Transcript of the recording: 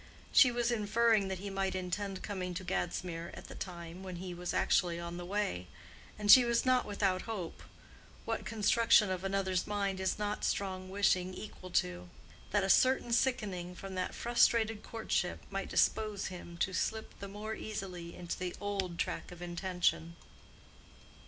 She was inferring that he might intend coming to Gadsmere at the time when he was actually on the way; and she was not without hope—what construction of another's mind is not strong wishing equal to?—that a certain sickening from that frustrated courtship might dispose him to slip the more easily into the old track of intention.